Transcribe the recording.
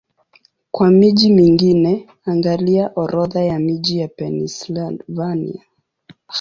Kwa miji mingine, angalia Orodha ya miji ya Pennsylvania.